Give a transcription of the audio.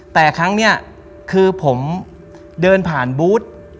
แต่ครั้งนี้คือผมเดินผ่านบูธ